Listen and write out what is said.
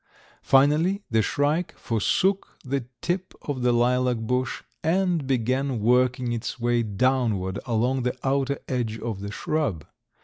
Finally the shrike forsook the tip of the lilac bush and began working its way downward along the outer edge of the shrub.